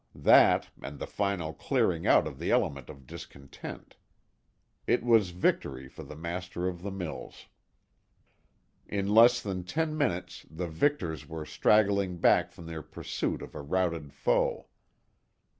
That, and the final clearing out of the element of discontent. It was victory for the master of the mills. In less than ten minutes the victors were straggling back from their pursuit of a routed foe.